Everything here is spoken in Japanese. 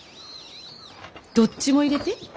どっちも入れて。